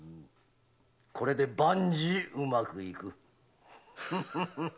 これで万事うまくいく。